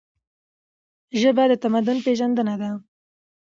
ژبه د تمدن پیژندنه ده.